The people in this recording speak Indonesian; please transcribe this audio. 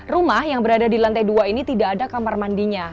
rumah yang berada di lantai dua ini tidak ada kamar mandinya